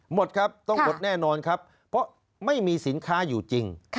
หมดครับต้องหมดแน่นอนครับเพราะไม่มีสินค้าอยู่จริง